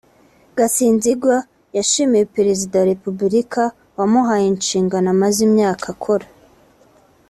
Gasinzigwa yashimye Perezida wa Repubulika wamuhaye inshingano amaze imyaka akora